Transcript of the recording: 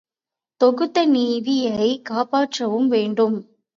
தொகுத்த நிதியைக் காப்பாற்றவும் வேண்டும்.